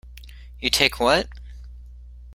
You take what?